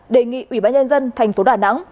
đề nghị ubnd tp đà nẵng